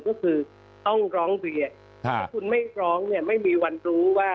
ก็คือต้องร้องเรียนถ้าคุณไม่ร้องเนี่ยไม่มีวันรู้ว่า